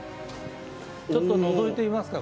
ちょっとのぞいてみますか？